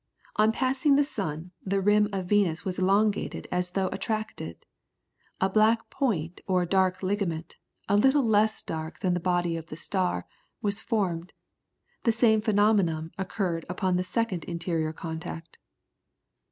On passing the sun, the rim of Venus was elongated as though attracted. A black point or dark ligament, a little less dark than the body of the star, was formed; the same phenomenon occurred upon the second interior contact.